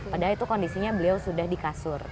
padahal itu kondisinya beliau sudah di kasur